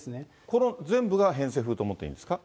この全部が偏西風と思っていいんですか？